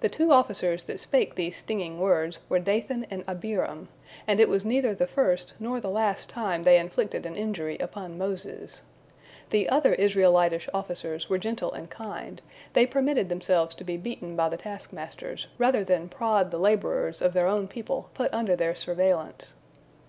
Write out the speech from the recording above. The two officers that spake these stinging words were Dathan and Abiram, and it was neither the first nor the last time they inflicted an injury upon Moses. The other Israelitish officers were gentle and kind; they permitted themselves to be beaten by the taskmasters rather than prod the laborers of their own people put under their surveillance.